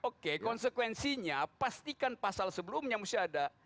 oke konsekuensinya pastikan pasal sebelumnya mesti ada